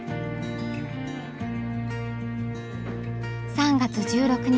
３月１６日。